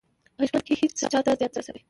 په ژوند کې هېڅ چا ته زیان مه رسوئ.